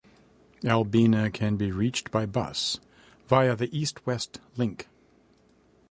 Albina can be reached by bus via the East-West Link.